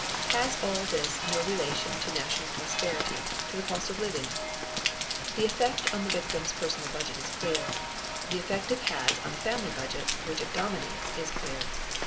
Has all this no relation to national prosperity to the cost of living? The effect on the victim's personal budget is clear the effect it has on the family budget, which it dominates, is clear.